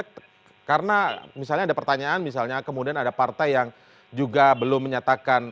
karena misalnya ada pertanyaan misalnya kemudian ada partai yang juga belum menyatakan